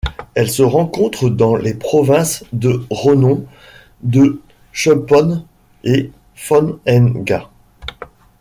Elle se rencontre dans les provinces de Ranong, de Chumpon et Phang Nga.